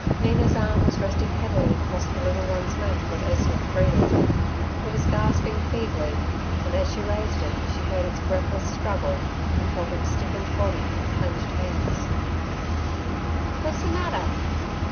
Mina's arm was resting heavily across the little one's mouth when Ursula freed it. It was gasping feebly, and as she raised it she heard its breathless struggle and felt its stiffened body and clenched hands. 'What's the matter?'